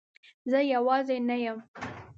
زه یوازی نه یم